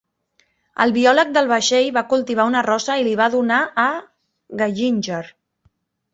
El biòleg del vaixell va cultivar una rosa i li va donar a Gallinger.